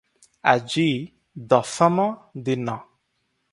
ଆଜି ଦଶମ ଦିନ ।